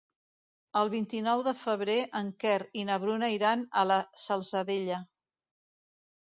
El vint-i-nou de febrer en Quer i na Bruna iran a la Salzadella.